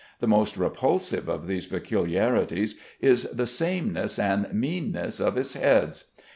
The most repulsive of these peculiarities is the sameness and meanness of his heads.